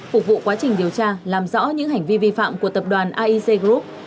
phục vụ quá trình điều tra làm rõ những hành vi vi phạm của tập đoàn aic group